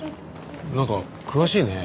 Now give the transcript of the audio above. なんか詳しいね。